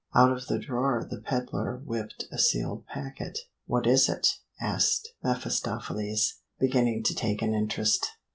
Out of the drawer the peddler whipped a sealed packet. "What is it?" asked mephistopheles, beginning to take an interest.